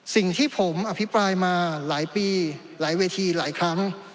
สิ่งที่ผมอภิปรายมาหลายปีหลายเวทีหลายครั้ง